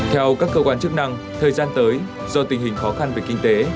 theo các cơ quan chức năng thời gian tới do tình hình khó khăn về kinh tế